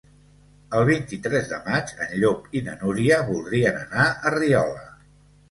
El vint-i-tres de maig en Llop i na Núria voldrien anar a Riola.